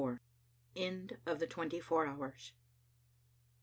END OF THE TWENTY FOUR HOURS.